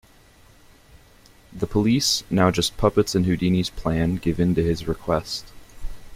The police, now just puppets in Houdini's plan, give into his request.